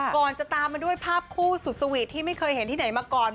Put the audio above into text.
ก่อนจะตามมาด้วยภาพคู่สุดสวีทที่ไม่เคยเห็นที่ไหนมาก่อน